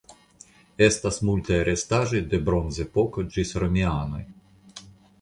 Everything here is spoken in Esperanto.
Estas multaj restaĵoj de Bronzepoko ĝis romianoj.